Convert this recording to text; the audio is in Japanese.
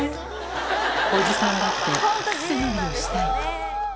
おじさんだって、背伸びをしたい。